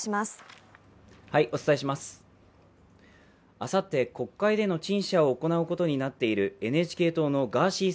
あさって国会での陳謝を行うことになっているＮＨＫ党のガーシー